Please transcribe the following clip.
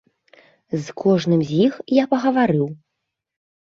З кожным з іх я пагаварыў.